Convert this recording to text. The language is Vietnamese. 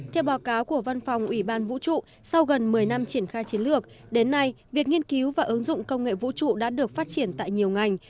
theo báo cáo của văn phòng ủy ban vũ trụ sau gần một mươi năm triển khai chiến lược đến nay việc nghiên cứu và ứng dụng công nghệ vũ trụ đã được phát triển tại nhiều ngành